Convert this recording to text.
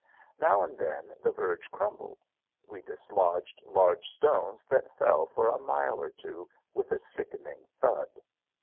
Now and then the verge crumbled. We dislodged large stones that fell for a mile or two, with a sickening thud.